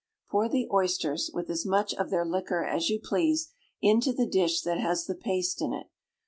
Pour the oysters (with as much of their liquor as you please) into the dish that has the paste in it.